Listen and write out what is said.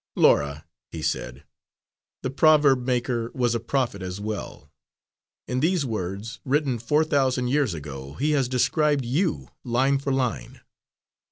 "Laura," he said, "the proverb maker was a prophet as well. In these words, written four thousand years ago, he has described you, line for line."